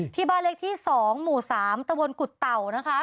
ที่บ้านเลขที่๒หมู่๓ตะบนกุฎเต่านะคะ